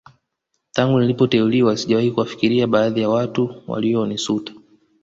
Tangu nilipoteuliwa sijawahi kuwafikiria baadhi ya watu walionisuta